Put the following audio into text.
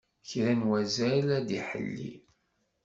Kra n wazal ad d-iḥelli.